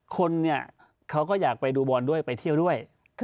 คนเนี่ยเขาก็อยากไปดูบอลด้วยไปเที่ยวด้วย